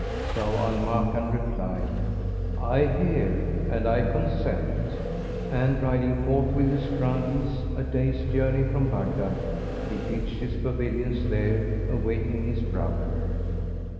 Zau al Makan replied, "I hear and I consent;" and riding forth with his Grandees a day's journey from Baghdad, he pitched his pavilions there awaiting his brother.